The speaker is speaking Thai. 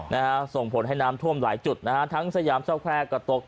นะฮะส่งผลให้น้ำท่วมหลายจุดนะฮะทั้งสยามเศร้าแควร์ก็ตก